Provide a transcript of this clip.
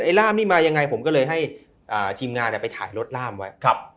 ร่ามนี่มายังไงผมก็เลยให้ทีมงานไปถ่ายรถล่ามไว้